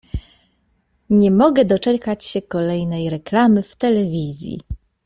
Nie mogę doczekać się kolejnej reklamy w telewizji.